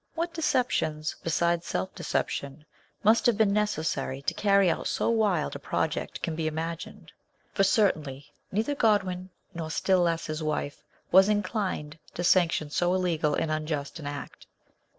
What deceptions beside self deception must have been necessary to carry out so wild a project can be imagined ; for certainly neither Godwin nor, still less, his wife, was inclined to sanction so illegal and unjust an act.